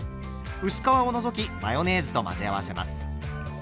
薄皮を除きマヨネーズと混ぜ合わせます。